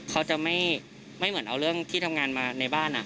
เขาจะไม่เหมือนเอาเรื่องที่ทำงานมาในบ้าน